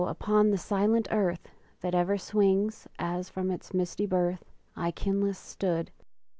upon the silent earth (That ever swings, as from its misty birth), I kinless stood!